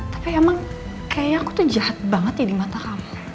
tapi emang kayaknya aku tuh jahat banget ya di mata kamu